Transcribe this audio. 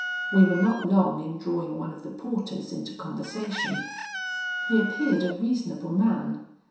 We were not long in drawing one of the porters into conversation; he appeared a reasonable man.